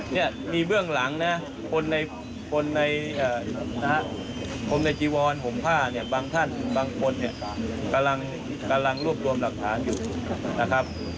เนี่ยมีเบื้องหลังนะคนในคนในพรมในจีวรห่มผ้าเนี่ยบางท่านบางคนเนี่ยกำลังรวบรวมหลักฐานอยู่นะครับ